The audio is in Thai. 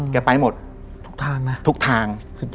แกไปหมดทุกทางสุดยอด